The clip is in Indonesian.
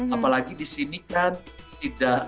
apalagi di sini kan tidak